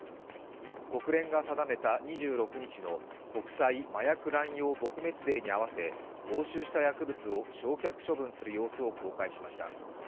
国連が定めた２６日の国際麻薬乱用撲滅デーに合わせ押収した薬物を焼却処分する様子を公開しました。